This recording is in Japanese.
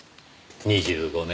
２５年